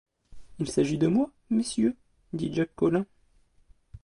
Il s’agit de moi, messieurs ? dit Jacques Collin.